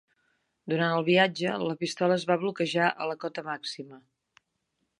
Durant el viatge, la pistola es va bloquejar a la cota màxima.